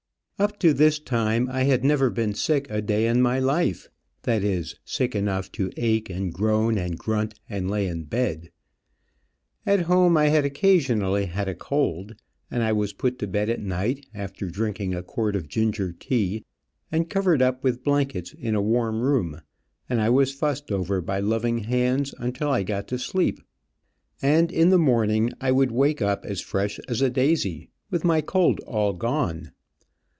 Up to this time I had never been sick a day in my life, that is, sick enough to ache and groan and grunt, and lay in bed. At home I had occasionally had a cold, and I was put to bed at night, after drinking a quart of ginger tea, and covered up with blankets in a warm room, and I was fussed over by loving hands until I got to sleep, and in the morning I would wake up as fresh as a daisy, with my cold all gone.